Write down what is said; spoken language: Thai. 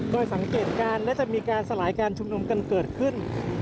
โดยสังเกตการณ์และจะมีการสลายการชุมนุมกันเกิดขึ้น